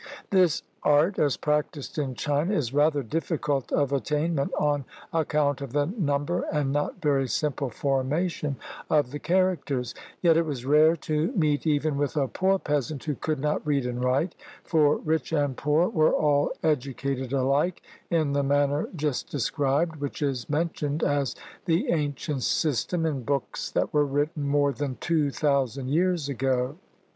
This art, as practiced in China, is rather difficult of attainment, on account of the number and not very simple formation of the characters; yet it was rare to meet even with a poor peasant who could not read and write, for rich and poor were all educated alike, in the manner just described, which is mentioned as "the ancient system" in books that were written more than two thousand years ago.